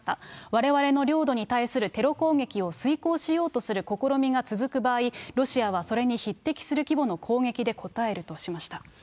われわれの領土に対するテロ攻撃を遂行しようとする試みが続く場合、ロシアはそれに匹敵する規模の攻撃で応えるとしました。